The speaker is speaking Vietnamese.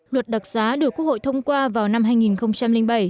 luật đặc giá được quốc hội thông qua vào năm hai nghìn bảy